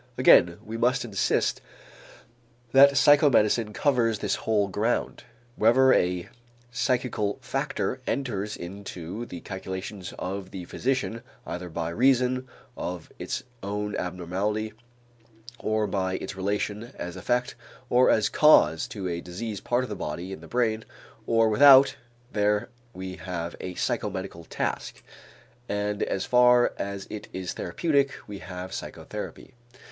Again, we must insist that psychomedicine covers this whole ground. Wherever a psychical factor enters into the calculations of the physician either by reason of its own abnormality or by its relation as effect or as cause to a diseased part of the body in the brain or without, there we have a psychomedical task, and as far as it is therapeutic, we have psychotherapy.